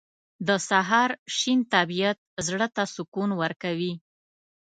• د سهار شین طبیعت زړه ته سکون ورکوي.